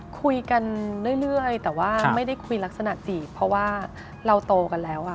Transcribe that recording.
คุยกันเรื่อยแต่ว่าไม่ได้คุยลักษณะจีบเพราะว่าเราโตกันแล้ว